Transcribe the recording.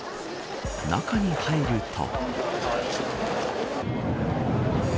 中に入ると。